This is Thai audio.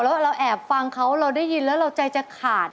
แล้วเราแอบฟังเขาเราได้ยินแล้วเราใจจะขาด